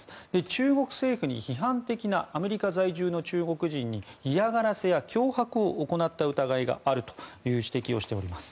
中国政府に批判的なアメリカ在住の中国人に嫌がらせや脅迫を行った疑いがあるという指摘をしております。